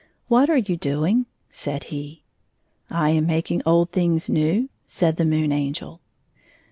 " What are you doing ?" said he. " I am making old things new," said the Moon Angel.